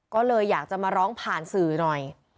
ก็เลยอยากจะมาร้องผ่านสื่อหน่อย